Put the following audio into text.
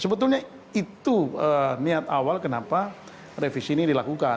sebetulnya itu niat awal kenapa revisi ini dilakukan